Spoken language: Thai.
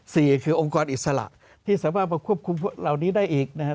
สี่คือองค์กรอิสระที่สามารถมาควบคุมพวกเหล่านี้ได้อีกนะครับ